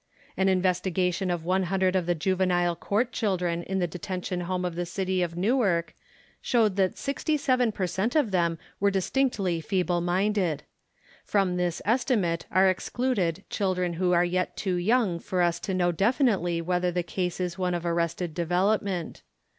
An investigation of one hundred of the Juvenile Court children in the Detention Home of the City of Newark showed that 67 per cent of them were distinctly feeble minded. From this estimate are excluded children who are yet too young for us to know definitely whether the case is one of arrested development.